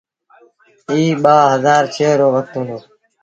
ايٚ ٻآ هزآر ڇه رو وکت هُݩدو۔